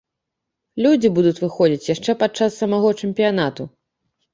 Людзі будуць выходзіць яшчэ пад час самога чэмпіянату.